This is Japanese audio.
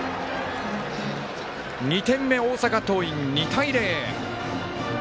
２点目、大阪桐蔭、２対０。